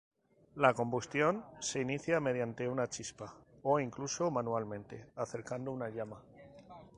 La combustión se inicia mediante una chispa, o incluso manualmente acercando una llama.